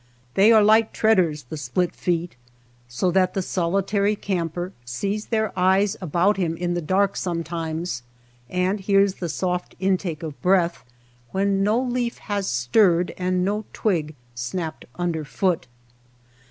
They are light treaders, the split feet, so that the solitary camper sees their eyes about him in the dark sometimes, and hears the soft intake of breath when no leaf has stirred and no twig snapped underfoot.